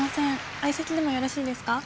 相席でもよろしいですか？